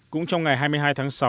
cũng trong ngày hai mươi hai tháng sáu